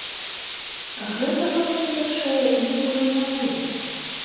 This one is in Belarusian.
Гэтага, па-першае, ніколі не будзе.